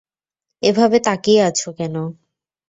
এভাবে তাকিয়ে আছো কেন?